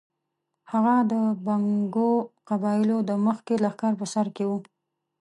هغه د بنګښو قبایلو د مخکښ لښکر په سر کې وو.